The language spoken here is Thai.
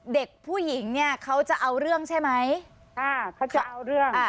เด็กผู้หญิงเนี่ยเขาจะเอาเรื่องใช่ไหมอ่าเขาจะเอาเรื่องอ่า